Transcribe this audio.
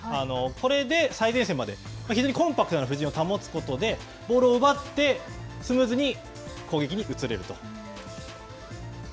これで最前線まで非常にコンパクトな布陣を保つことでボールを奪って、スムーズに攻撃に移れると。